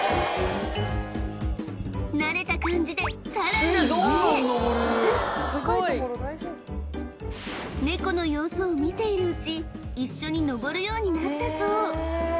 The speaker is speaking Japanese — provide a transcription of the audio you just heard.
慣れた感じでさらに上へネコの様子を見ているうち一緒にのぼるようになったそう